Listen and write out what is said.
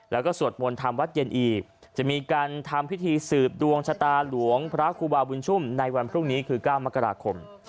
แล้วก็สวดมนต์ทำวัดเย็นอีกจะมีการทำพิธีสืบดวงชะตาหลวงพระครูบาบุญชุ่มในวันพรุ่งนี้คือ๙มกราคม